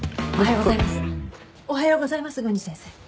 おはようございます郡司先生。